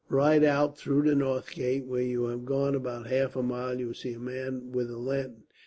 Ride out through the north gate. When you have gone about half a mile you will see a man with a lantern.